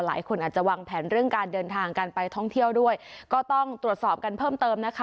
หลายคนอาจจะวางแผนเรื่องการเดินทางกันไปท่องเที่ยวด้วยก็ต้องตรวจสอบกันเพิ่มเติมนะคะ